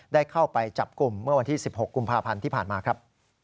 ได้เข้าไปจับกลุ่มเมื่อวันที่๑๖กุมภาพันธ์ที่ผ่านมาครับ